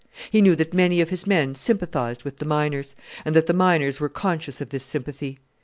He knew that many of his men sympathized with the miners, and that the miners were conscious of this sympathy.